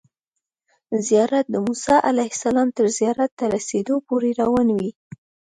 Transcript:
زیارت د موسی علیه السلام تر زیارت ته رسیدو پورې روان وي.